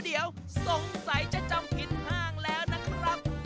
เดี๋ยวสงสัยจะจำผิดห้างแล้วนะครับ